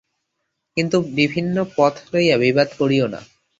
কিন্তু বিভিন্ন পথ লইয়া বিবাদ করিও না।